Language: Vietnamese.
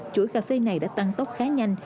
chuỗi cà phê này đã tăng tốc khá nhanh